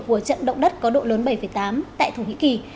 của trận động đất có độ lớn bảy tám tại thổ nhĩ kỳ